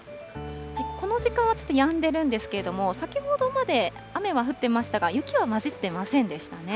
この時間はちょっとやんでいるんですけれども、先ほどまで雨は降ってましたが、雪は交じってませんでしたね。